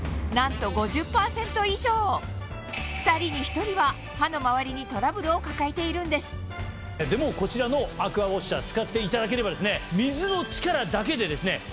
実はこれが。の１つなんですね。を抱えているんですでもこちらのアクアウォッシャー使っていただければですね。